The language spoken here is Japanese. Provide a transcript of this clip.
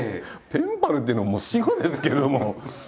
「ペンパル」っていうのももう死語ですけども。